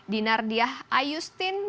dinardiah ayustin menang